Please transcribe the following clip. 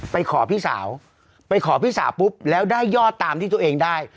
ไปขอพี่สาวไปขอพี่สาวปุ๊บแล้วได้ยอดตามที่ตัวเองได้